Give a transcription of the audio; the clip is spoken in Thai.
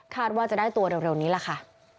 ว่าจะได้ตัวเร็วนี้แหละค่ะ